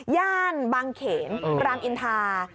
ย่านบางเขนรามอินทา